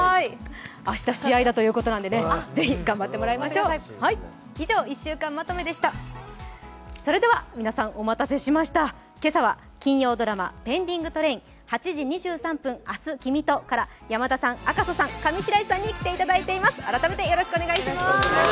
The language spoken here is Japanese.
明日、試合だということですので、ぜひ頑張ってもらいましょうそれでは皆さん、お待たせしました今朝は金曜ドラマ「ペンディングトレイン−８時２３分、明日君と」から山田さん、赤楚さん、上白石さんに来ていただいています。